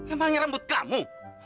emangnya rambut kamu